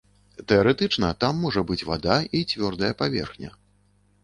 Тэарэтычна, там можа быць вада і цвёрдая паверхня.